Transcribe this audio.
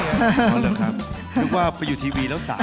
รู้หรือว่าไปอยู่ทีวีแล้วสามารถ